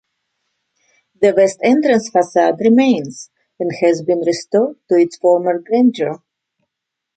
The west entrance facade remains and has been restored to its former grandeur.